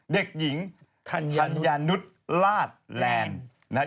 เด็กหญิงธัญาณุชราติแลลนด์